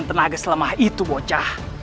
aku harus menolongnya